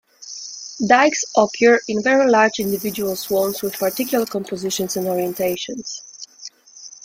Dikes occur in very large individual swarms with particular compositions and orientations.